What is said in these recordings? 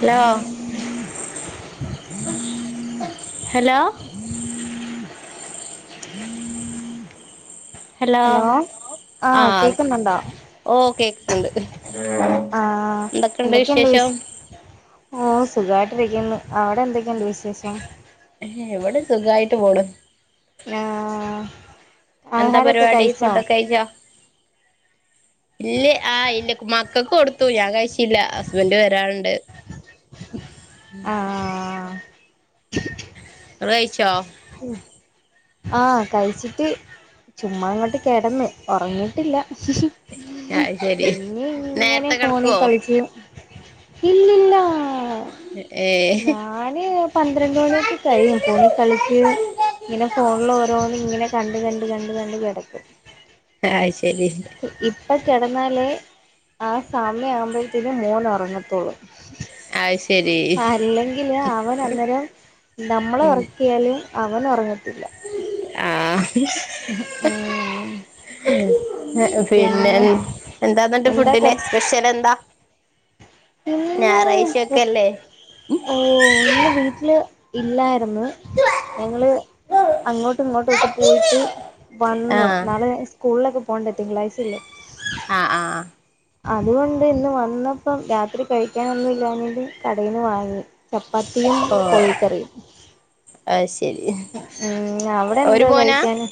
Hello hello hello ആഹ് ആഹ കേക്കുന്നുണ്ടോ ഓ കേക്കുന്നുണ്ട് ആഹ് എന്തൊക്കെയണ്ട് വിശേഷം ഓ സുഖമായിട്ട് വക്കുന്നു അവിടെ എന്തൊക്കെയുണ്ട് വിശേഷം ഇവിടെ സുഖായിട്ട് പോടും ആഹ് എന്താ ആഹാരൊക്കെ പരിപാടി കഴിച്ചോ ഫുഡൊക്കെ കഴിച്ചോ ഇല്ലേ ആ ഇല്ല മക്കക്ക് കൊടുത്തു ഞാൻ കഴശല്ല ഹസ്ബൻറ്് വരാാനുണ്ട് ആഹ രേച്ചോ ഉ ആഹ കഴിച്ചിട്ട് ചുമ്മാ അങ്ങോട്ട് കിടന്ന് ഉറങ്ങിട്ടില്ല ഇ അത് ശരി ഇങ്ങനെ നേരത്തെ ഫോണിൽ കിടക്കുവോ കളിക്കും ഇല്ലല്ല ആ ഏഹ് ഞാന് പന്ത്രണ്ട് മണിയൊക്കെ കഴിയും പണ കളി ഇങ്ങനെ ഫോണിൽ ഓരോന്നും ഇങ്ങനെ കണ്ട് കണ്ട് കണ്ട് കണ്ട് കിടക്കും ആഹ് ശരി അപ്പം കിടന്നാലേ ആ സാമ്യ ആവുമ്പോഴത്തേന് മോന ഇറങ്ങത്തുള്ളൂ അത് ശരി അല്ലെങ്കില് അവൻ അന്നേരം നമ്മളെ ഉം ഉറക്കിയാലും അവന്ന് പററഞ്ഞട്ട് ത്തില്ല ആഹ് ആഹ പിന്നെ എന്താ എന്നട്ട് ഫുഡിനന് സ്പെഷ്യൽ എന്താ ഇന്ന് ഞായറാഴ്ചയൊക്കെ അല്ലേ നിന്ന് വീട്ടില് ഇല്ലായിരുന്നു ഞങ്ങള് അങ്ങോട്ടും ഇങ്ങോട്ടുമൊക്കെ പോയിട്ട് വന്ന് ആഹ് നാളെ സ്കൂളിലൊക്കെ ഫോണ്ടണ്ട് തിങ്കളായിസ്സല്ലേ ആഹ ആഹ ആഹ അതുകൊണ്ട് ഇന്ന് വന്നപ്പം രാത്രി കഴിക്കൻൊന്നുംല്ലി കടയിു വാങ്ങി ചപ്പാത്തിയും ഓ കോഴിക്കറിയും അത് ശരി ഉ അവിടെ ഒരു എന്താ മോനാ കഴിക്കാന്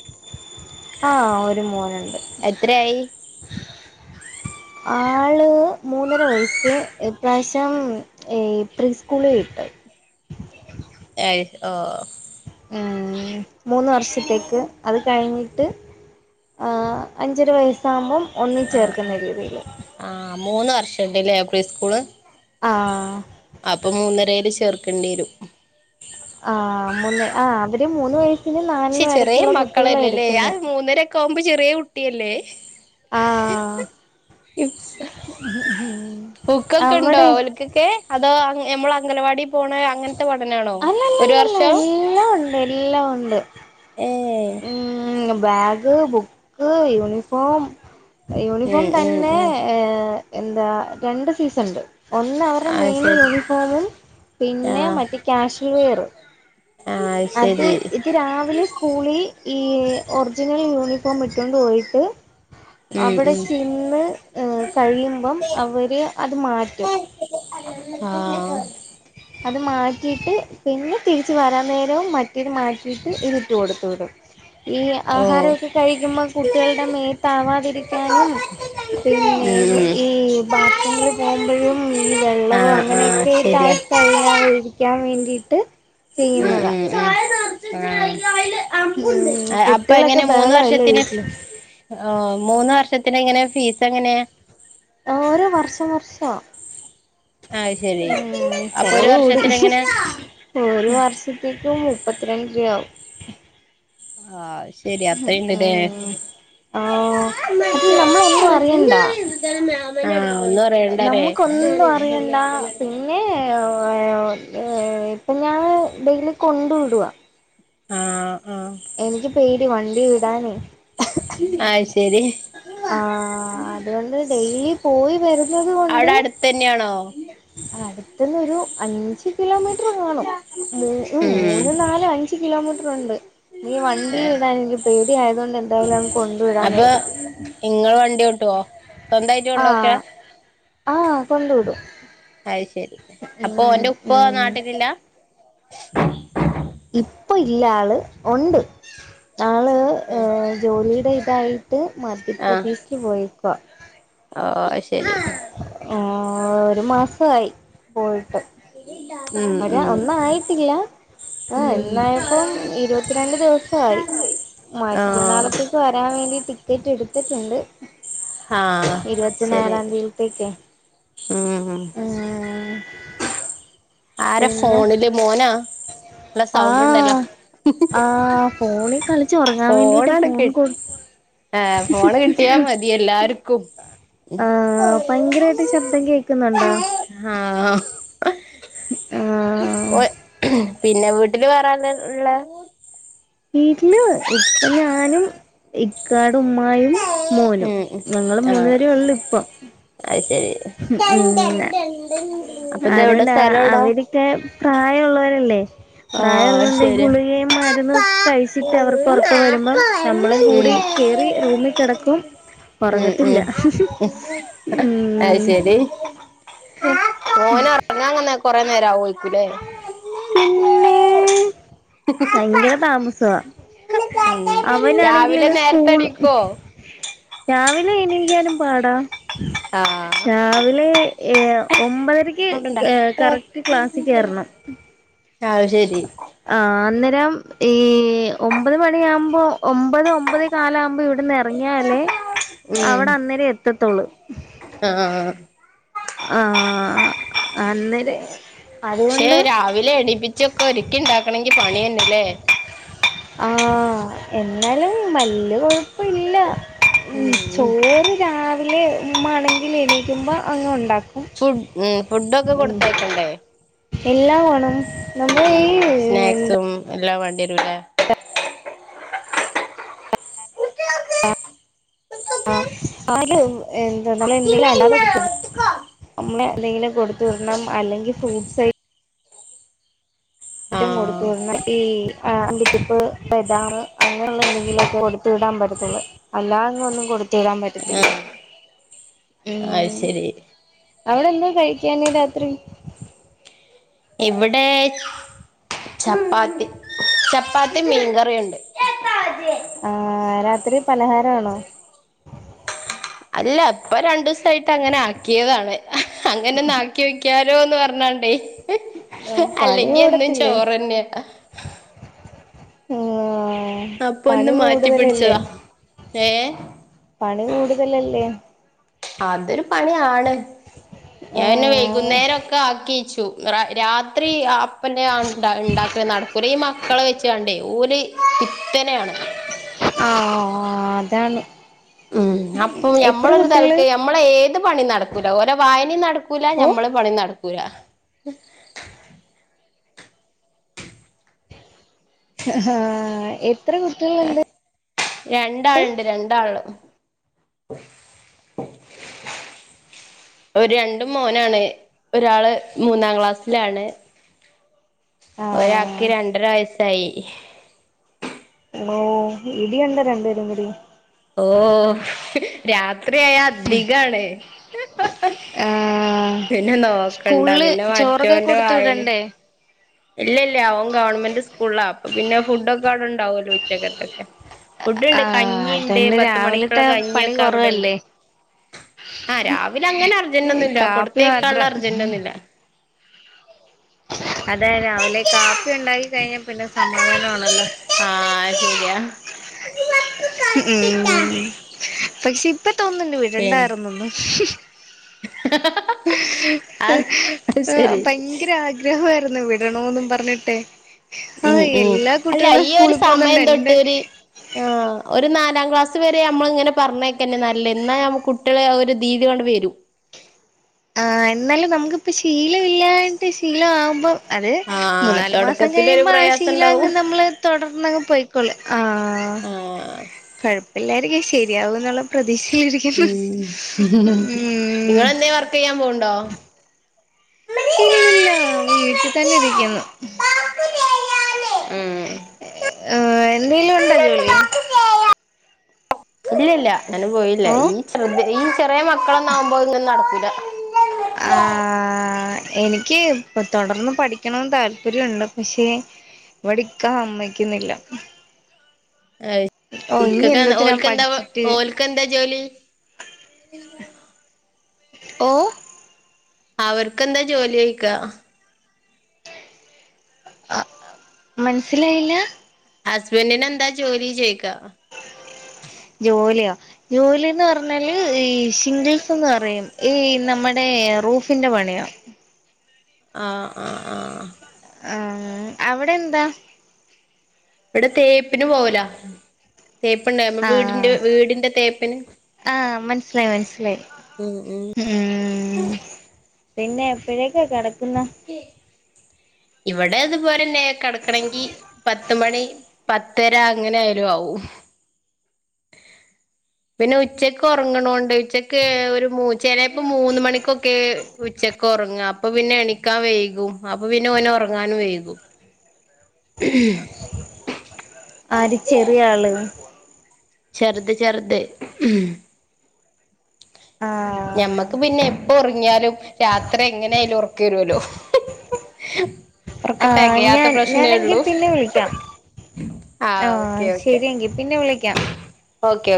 ആഹ ഒരു മൂനുണ്ട് എത്രയായി ആള് മൂന്നര വയസ്സ് പ്രാവശ്യം പ്രീ സ്കൂള ഇട്ടത് ആ ആഹ മൂന്ന് വർഷത്തേക്ക് അത് കഴിഞ്ഞിട്ട് അഞ്ചര വയസ്സാകുമ്പം ഒന്ന ചേർക്കുന്ന രീതിയിൽ ആ മൂന്ന് വർഷം ഉണ്ട്ലേ പ്രീ സ്കൂള് ആഹ് അപ്പൊ മൂന്നരയില് ചേർ കണ്ടീരും ആഹ് മൂന്ന് ആ അവര് മൂന്ന് വയസ് പക്ഷെ ചെറിയ മക്കളല്ലേന്നേ ഞാൻ മൂന്നരൊക്കെ ആകുമ്പോ ചെറിയ കു ട്ടിയല്ലേ ആഹ് ഉം ബുക്കൊക്കെ ഉണ്ടോ അവിടെ ഓലുക്കൊക്കെ അതോ നമ്മല് അംഗനവാടി പോ അല്ലല്ല അല്ലല്ല വർഷം എല്ലാം ഉണ്ട് എല്ലാം ഉണ്ട് ഏ ഉം ബാഗ് ബുക്ക് യൂണിഫോം ഉം യൂണിഫോം ഉം തന്നെ ഉം എന്താ രണ്ട് സൈസ്ണ്ട് ഒന്ന് അവരുടെ അത് മെയിൻ ശരി യൂണിഫോമും പിന്നെ ആഹ് മറ്റെ ക്യാഷ ആഹ് [unintelligible] അത് ശരി ഇത് രാവിലെ സ്കൂളിൽ ഈ ഒറിജിനൽ യൂണിഫോം ഇട്ടോണ്ട് പോയിട്ട് ഉം അവിടെ ഉം ചെന്ന് കഴിയുമ്പം അവര് അത് മാറ്റും ആഹ് അത് മാറ്റിയിട്ട് പിന്നെ തിരിച്ച് വരാൻ നേരവും മറ്റെത് മാറ്റിയിട്ട് ഇതിട്ടു കൊടുത്തു വിടും ഈ ഓ ആഹാരമൊക്കെ കഴിക്കുമ്പോൾ ഉം കുട്ടികളുടെ മേത്താവാതിരി ക്കാനും പിന്നെ ഈ ബാത്റൂമിൽ പോകുമ്പോഴും ഈ വെള്ളവും ആഹ് ആഹ് അങ്ങനെയൊക്കെ ശരിയാ ഇതായി കഴിയാതിരിക്കാൻ വേണ്ടിയിട്ട് ഉം ചെയ്യുന്നതാണ് ഉം ഉം ആഹ് അപ്പ കുട്ടികളൊക്കെ എങ്ങനെ മൂന്ന ബഹളമല്ലേ വർഷത്തിന് വീട്ടില് മൂന്ന് വർഷ ത്തിന് എങ്ങനാ ഫീസ് എങ്ങനെയാ ഓരോ വർഷം വർഷ അത് ശരി ഉം അപ്പൊ ഒരു ചെലവ് കൂടി വർഷത്തിന് എങ്ങനെ ഒരു വർഷത്തേക്ക് മുപ്പത്തിരണ്ട് രൂപയാവും ആഹ് ശരി അത്രയുണ്ടല്ലേ ഉം ആ അത് നമ്മളൊന്നും ആഹ് അറിയണ്ടാ ആഹ് നമുക്കൊന്നും അറിയണ്ട പിന്നെ ഏ ഇപ്പൊ ഞൻ ഡെയിലി കൊണ്ട് വിടുവാ ആഹ് ആഹ് എനിക്ക് പേര് വണ്ടി വിടാനേ അത് ശരി ആഹ് അതുകൊണ്ട് ഡെയിലി പോയി വരുന്നത് കൊണ്ട് അവിടെ അടുത്തന്നെയാണോ അടുത്ത്ന്ന് ഒരു അഞ്ച് കിലോമീ കാണ ഉ ഉം മൂന്ന നാലും അഞ്ച് റ്ററ്പൊണം മൂന്ന് നാല് അഞ്ച് കിലോമീറ്ററുണ്ട് ന വണ്ടി ഏഹ് ഇടാൻ എനിക്ക് പേടി ആയത കൊണ്ട് എന്തായാലും കൊണ്ട വിടന്ന് ക- ട്ടോ ആഹ ആഹ കൊണ്ട വിടും അത് ശെരി അപ്പൊ ഉം ഓന്റെ ഉപ്പ ഉം നാട്ടിലില്ല [unintelligible] ഇപ്പൊ ഇല്ലാള് ഒണ്ട് ആള് ജോലിയുടെ- തായി ട്ട് മധ്യപ്രദേശിൽ പോയക്കാം ഓ ശരി ആ ഒരു മാസമായി പോയിട്ട്- ഉം അരാ ഉം ഒന്നായിട്ടില്ല ആഏ ഉം എന്നായപ്പം ഇരുപത്തിരണ്ട് ദിവസയി ആഹ് മറ്റന്നാളത്തേക്ക് വരാൻ വേണ്ടി ടിക്കറ്റ് എടുത്തിട്ടുണ്ട് ആഹ് ഇരുപത്തിനാലാം തീയതിത്തേക്ക് ആഹ പിന്നെ ഫോണില് മോനാ നല്ല ആ സൗണ്ട് ഉണ്ടല്ലോ ആ ഫോണിൽ കളിച്ചു ഉറങ്ങാൻ വേണ്ടിട്ട് ഫോണാണ് ഫോൺ കി കൊടു ആ ഫോണ് കിട്ടിയാ മതി എല്ലാർക്കും ആഹ ഭയങ്കരമായിട്ട് ശബ്ദം കേക്കുന്നുണ്ടോ ആഹ ആഹ് ഓ പിന്നെ വീട്ടില് വേറാന ഉള്ള- വീട്ടില് ഇപ്പൊ ഞാനും ഇക്ക ഉുമ്മായും മോനും ഉം ഞങ്ങള് ആഹ് മൂന്നപര ഉള്ള ഇപ്പം അത് ശരി ഉന്ന അപ്പൊ ഇതെവിടെ അതുകൊണ്ടാ സ്ഥലം എവിടാ അവരൊക്കെ പ്രായഉള്ളവരല്ലേ? ആഹ് അത് പ്രായമള്ളണ്ടെങ്കിൽ ശരി ഗുളികയും മരുന്നൊക്കെ കഴിച്ചിട്ട് അവർക്ക് ഉറക്കെ വരുമ്പം നമ്മളും കൂടി കറി റൂമിൽ കിടക്കും ഉം ഉറങ്ങത്തില്ല ഉം ഉം മോന ഇറങ്ങങ്ങെ കൊറെ നേര ആവുംക്കൂല്ലേ പിന്നേ ഭയങ്കര താമസവാ രാവിലെ അവനാണെങ്കില് നേരത്തെ സ്കൂൾ എണീക്കോ വട ആഹ് രാവിലെ ഏ ഒമ്പതരയ്ക്ക് സൗണ്ട് ഏ ഉണ്ടാക്കല്ലേ കറക്റ്റ് ക്ലാസ്സിൽ കയറണം ആ ശരി രം ഈ ഒമ്പത് മണിയാകുമ്പോ ഒ ഒമ്പത് ഒമ്പത് കാലാവുമ്പോ ഇവിടന്ന് ഇറങ്ങിയാലേ ഉം അവിടെ അന്നേരം എത്തത്തോള് ആഹ് ആ അന്നേരം പക്ഷെ അതുകൊണ്ട് രാവിലെ എണ്ണിപ്പിച്ചൊക്കെ ഒരിക്കി ഉണ്ടാക്കണൊങ്കി പണി തന്നല്ലേ ആ എന്നാലും വല്യ കൊഴപ്പം ഇല്ല ഉം ചോറ് രാവിലെ ഉമ്മാണെങ്കിൽ എണീക്കുമ്പോ അങ്ങ് ഉണ്ട് ഫുഡ് ഉം ഫുഡൊക്കെ കൊടുത്തയക്കണ്ടേ എല്ലാം വേണം നമ്മൾ ഈ ഉം എന്താ സ്നാക്സും എല്ലാം വേണ്ടി വരൂല്ലേ [unintelligible] എന്തെങ്കിലും കൊടുത്തു വിടണം അല്ലെങ്കിൽ ഫ്രൂട്ട്സ് ഐ റ്റം ആഹ് കൊടുത്തണം ഈ അണ്ടി പരിപ്പ് ബദാം അങ്ങനെയുള്ള എന്തെങ്കിലും ഒക്കെ കൊടുത്ത് വിടാൻ പറ്റത്തുള്ളൂ അല്ലാതെങ്ങും ഒന്നും കൊടു ത്തു വിടാൻ പറ്റത്തില്ല ആഹ് അത് ഉം ശരി അവിടെന്താ കഴിക്കാന് രാത്രി ഇവിടെ ചപ്പാത്തി ചപ്പാത്തി മീൻകറിയുണ്ട് ആഹ രാത്രി പലഹാരം ആണോ അല്ല ഇപ്പ രണ്ടു ദിവസായിട്ട് അങ്ങനെ ആക്കിയതാണ് അങ്ങനെ ഒന്ന് ആക്കി വയ്ക്കാ ന്ന് പറഞ്ഞാണ്ടേ പണി അല്ലെങ്കി എന്നും കൂടത്തില്ലേ ചോറ് തന്നെയ ആ ആ പണി മാറ്റി കൂടുതലല്ലേ പിടിച്ചതാ ഏഹ് പണി കൂടുതലല്ലേ അതൊരു പണിയാണ് ആ ഞാൻ പിന്നെ വൈകുന്നേരം ഒക്കെ ആക്കി വച്ചു രാത്രി അപ്പന്നെണ്ട ഉണ്ടാക്ക നടക്കുരഈ മക്കളെ വെച്ച് കണ്ടേ ഓര് ത്തനാണ് ആ ഓ അതാണ് ഉം അപ്പം എത്ര ഞമ്മളൊരു കുട്ടികള് തലക്ക് ഞമ്മള ഏ ത് പണി നടക്കൂല ഓര വായനയും നട ക്കുല ഓ ഞമ്മള് പണി നട ക്കരാ ആഹ എ എത്ര കുട്ടികൾുണ്ട് രണ്ടാളുണ്ട് രണ്ടാള് ഒരു രണ്ടും മോനാണ് ഒരാള് മൂന്നാം ക്ലാസ്സിലാണ് ആ ഒരാക്ക്ി രണ്ടര വയസ് സൈ ഓ ഇടിയുണ്ട രണ്ടുപേരും കൂടി ഓ രാത് അത്രയ അധികാണ് ആഹ പിന്നെ നോക്കണ്ട പിന്നെ മറ്റോന്റെ കൊടുത്തു വായന വിടണ്ടേ ഇല്ല ഇല്ല അവൻ ഗവൺമെന്റ് ഫ അ പിന്നെ ഫുഡ്ൊക്കെ അവിടെണ്ട് ാവല്ലോ ഉച്ചക്കത്തൊക്കെ ഫുഡ്ുണ്ട് ആ കഞ്ഞിുണ്ട് അതുകൊണ്ട് പത്ത മണിക്കുള്ള രാവിലത്തെ പണി കഞ്ഞിയൊക്കെ അവിടെണ്ട് കുറവല്ലേ ആ് രാവിലെ അങ്ങനെ അർജന്റ ഒന്നുംുമല്ല കാപ്പി കൊടുത്തേക്കാുള്ള മാത്രം അർജന്റൊന്നുംല്ല ആ അതെ രാവിലെ കാപ്പി ഉണ്ടാക്കി കഴിഞ്ഞാ പിന്നെ സമാധാനമാണല്ലോ ആഹ് ശരിയാ ഉം പകക്സി ഇപ്പ തോന്നണ്ട് വ പിൻ രണ്ടായിരന്നൊന്നന്ന് ആഹ് അത് ശരി ഭയങ്കര ആഗ്രഹ ന്ന് വിടണോന്ന് പറഞ്ഞിട്ടേ ഉം ഉം അല്ല ഈ ഒരു പോകുന്നുണ്ട് സമയം എന്റെ തൊട്ട് ആ ഒരു നാലാം ക്ലാസ് വരെ നമ്മള ഇങ്ങനെ പറഞ്ഞേക്കന്നെ നല്ല എന്നാ ന കുട്ടികെ ഒരു രീതിക കൊണ്ട് വരും ആഹ എന്നാലും നമുക്കിപ്പ ശീലം ഇല്ലായിട്ട് ശീല ആവുമ്പോ അത് ആഹ് മൂന്നാല് മാസം തൊടക്കത്തിലൊരു കഴിയുമ്പോ ആ ശീല പ്രയാസണ്ടാവും അങ്ങ് നമ്മള് തുടർന്നങ്ങ് പോയിക്കോളു ആ ആഹ് കൊഴപ്പില്ലേ ശരിയാക എന്നുള്ള പ്രതീക്ഷ ഉ നിങ്ങ ഉം എന്തേ വർക്ക് ൻ പോണ്ടോ ഇല്ലല്ല വീട്ടിൽ തന്നെ ഇരിക്കുന്നു ഹ എന്തേലും ഉണ്ടോ ജോലി ഇല്ലല്ല ഞാൻ പോയില്ല ഈ ഓഹ് ശദ്ധ ഈ ചെറിയ മക്കളൊന്നാവകുമ്പോ ഇന്നും നടത്തില്ല ആ എനിക്ക് ഇപ്പെ തുടർന്ന് പഠിക്കണന്ന് താല്പര്യമുണ്ട് പക്ഷെ ഇവിടെ ഇക്ക സമ്മതിക്കുന്നില്ല അ ഓ ഇക്ക ഇനി എന്തത്തിനാ ഓൽക്കെന്താ പഠിച്ചിട്ട് ഓൽക്കെന്താ ജോലി ഓ അവർ അവർക്കെന്താ ജോലി ചോയിക ആ മനസ്സിലായില്ല അസ് ഹസ്ബന്റിൻ എന്താ ജോലി ചെയ്ക്ക ജോലിയോ ജോലിന്ന് പറഞ്ഞാൽ ഈ സിംഗിൾസ് എന്ന് പറയും ഈ നമ്മുടെ റൂഫിന്റെ പണിയാ ആഹ ആഹ് ആഹ് ആ അവിടെ എന്താ ഇവിടെ തേപ്പിന് പോവല ആഹ തേപ്പിന് ആഹ് മനസിലായി മനസിലായി ഉം ഉം മ് പിന്നെ പിഴകെ കണ പിന്നെ ഇവിടെ അതുപോലെ തന്നെ കിടക്കണെങ്കിൽ പത്ത് മണി പത്തര അങ്ങനെ ആയാലും ആവും പിന്നെ ഉച്ചക്ക് ഉറങ്ങണോണ്ട് ഉച്ചക്ക് ഒരു ചിലപ്പോ മൂന്ന് മണിക്കൊക്കെ ഉച്ചക്ക് ഉറങ്ങ അപ്പ പിന്നെ എണിക്കാൻ വൈകും അപ്പൊ പിന്നെ ഓൻ ഉറങ്ങാനും വൈകും മ് ആര് ചെറിയ ആള് ചെറുത് ചെറുത് ഉം ആഹ് ഞമ്മക്ക് പിന്നെ എപ്പൊ ഉറ ഉറങ്ങിയാലും രാത്രി എങ്ങനേലും ഉറക്കരുല്ലോ ആ ഞാൻ ഞാനെങ്കി പിന്നെ വിളിക്കാം ആ ഓക്കെ ഓക്കെ ശരിയങ്കി പിന്നെ വിളിക്കാം ഓക്കെ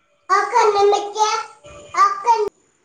ഓക്കെ